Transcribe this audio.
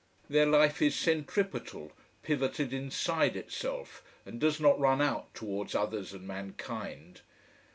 Their life is centripetal, pivoted inside itself, and does not run out towards others and mankind.